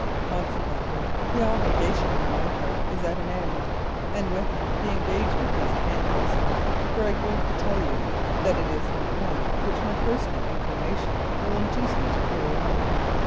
Consequently the obligation on my part is at an end, and with it the engagement must end also, for I grieve to tell you that it is not one which my personal inclination will induce me to carry out.